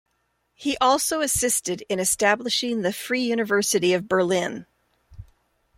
He also assisted in establishing the Free University of Berlin.